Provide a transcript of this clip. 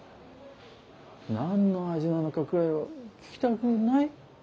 何の味なのかくらいは聞きたくない？